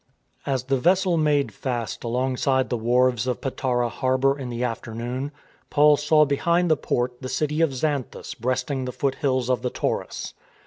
As the vessel made fast alongside the wharves of Patara harbour in the afternoon, Paul saw behind the port the city of Xanthus breasting the foot hills « ONE WHO MARCHED " 283 of the Taurus.